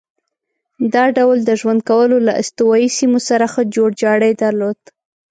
دا ډول د ژوند کولو له استوایي سیمو سره ښه جوړ جاړی درلود.